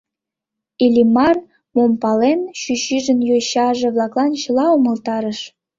Иллимар, мом пален, чӱчӱжын йочаже-влаклан чыла умылтарыш.